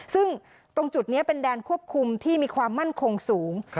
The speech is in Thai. ซึ่งตรงจุดนี้เป็นแดนควบคุมที่มีความมั่นคงสูง